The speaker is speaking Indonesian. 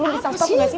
lu bisa tau gak sih